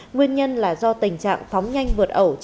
nguyên nhân là do tình trạng phóng nhanh vượt ẩu